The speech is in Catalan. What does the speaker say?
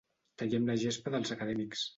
Tallem la gespa dels acadèmics.